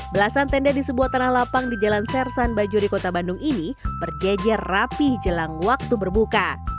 belasan tenda di sebuah tanah lapang di jalan sersan bajuri kota bandung ini berjejer rapih jelang waktu berbuka